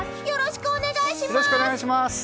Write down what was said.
よろしくお願いします！